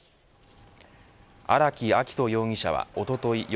荒木秋冬容疑者はおととい